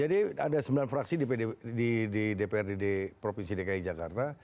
jadi ada sembilan fraksi di dprd provinsi dki jakarta